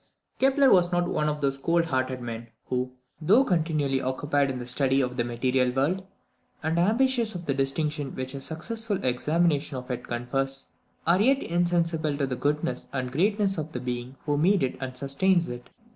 Kepler was not one of those cold hearted men who, though continually occupied in the study of the material world, and ambitious of the distinction which a successful examination of it confers, are yet insensible to the goodness and greatness of the Being who made and sustains it.